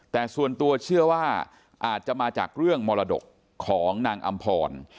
แต่ส่วนตัวเชื่อว่าอาจจะมาจากเรื่องมรดกของนางอำพร